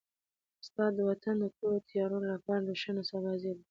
استاد د وطن د تورو تیارو لپاره د روښانه سبا زېری دی.